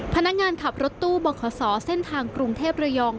พนักงานขับรถตู้บขเส้นทางกรุงเทพระยอง